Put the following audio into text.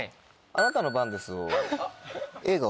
『あなたの番です』を。